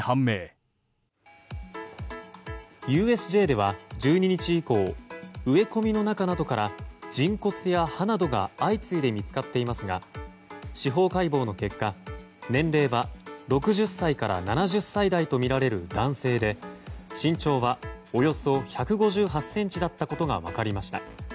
ＵＳＪでは１２日以降植え込みの中などから人骨や歯などが相次いで見つかっていますが司法解剖の結果年齢は６０歳から７０歳代とみられ身長はおよそ１５８ｃｍだったことが分かりました。